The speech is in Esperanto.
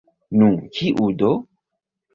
Nu, kiu do?